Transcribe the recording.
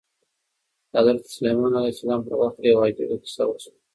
د حضرت سلیمان علیه السلام په وخت کې یوه عجیبه کیسه وشوه.